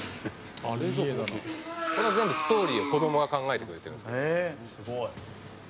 「これ全部ストーリーを子供が考えてくれてるんですよ」